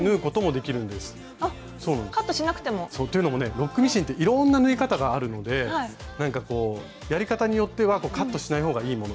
ロックミシンっていろんな縫い方があるのでなんかこうやり方によってはカットしない方がいいもの